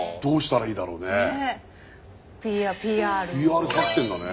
ＰＲ作戦だね。